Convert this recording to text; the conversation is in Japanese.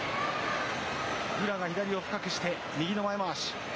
宇良が左を深くして、右の前まわし。